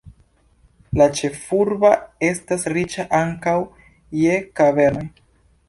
La ĉefurba estas riĉa ankaŭ je kavernoj.